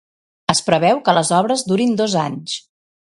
Es preveu que les obres durin dos anys.